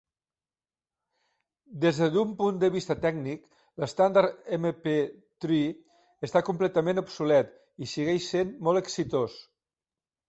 Des d'un punt de vista tècnic, l'estàndard MP-Three està completament obsolet i segueix sent molt exitós.